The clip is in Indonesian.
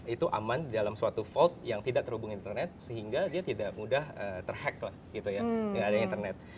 itu aman di dalam suatu vault yang tidak terhubung internet sehingga dia tidak mudah terhack lah gak ada internet